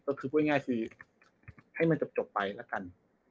ก็คือพูดง่ายคือให้มันจบไปแล้วกัน